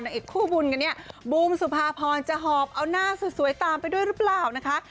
อีกคู่บุญกันเนี่ยบูมสุภาพรจะหอบเอาหน้าสวยตามไปด้วยหรือเปล่านะคะ